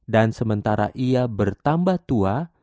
dan sementara ia bertambah tua